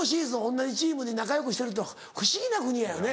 同じチームに仲よくしてる不思議な国やよね。